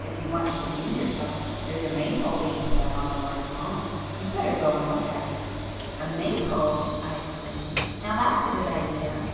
If you want to amuse yourself there's a Maypole being put up on the large lawn,—you'd better go and look at it." "A Maypole!" I exclaimed—"Now that's a good idea!"